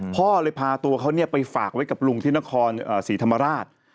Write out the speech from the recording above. พ่อเลยพาตัวเขาไปฝากไว้กับลุงที่นครศรีธรรมราช